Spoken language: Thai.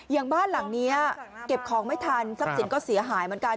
อย่างบ้านหลังนี้เก็บของไม่ทันทรัพย์สินก็เสียหายเหมือนกัน